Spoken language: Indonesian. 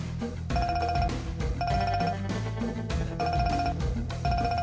sampai jumpa lagi